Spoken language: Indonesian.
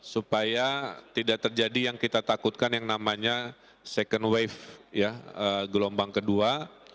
supaya tidak terjadi yang kita takutkan yang namanya second wave gelombang kedua